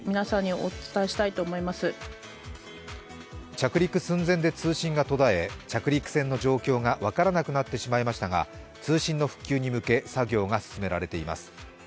着陸寸前で通信が途絶え、着陸船の状況が分からなくなってしまいましたが、通信の復旧に向け作業が進められています。